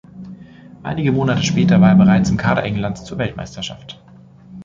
Einige Monate später war er bereits im Kader Englands zur Weltmeisterschaft.